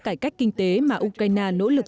cải cách kinh tế mà ukraine nỗ lực